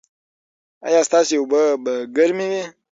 ایا ستاسو اوبه به ګرمې وي؟